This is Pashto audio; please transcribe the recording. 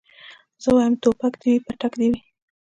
زه وايم ټوپک دي وي پتک دي وي